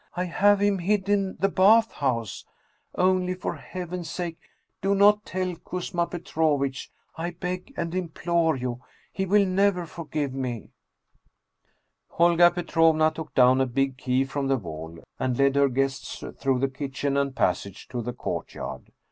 " I have him hid in the bath house ! Only for heaven's sake, do not tell Kuzma Petrovitch. I beg and implore you ! He will never forgive me !" Olga Petrovna took down a big key from the wall, and 175 Russian Mystery Stories led her guests through the kitchen and passage to the court yard.